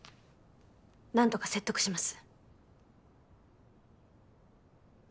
何とか説得します。